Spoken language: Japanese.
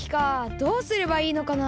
どうすればいいのかな？